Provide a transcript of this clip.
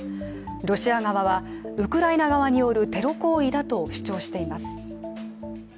ロシア側はウクライナ側によるテロ行為だと主張しています。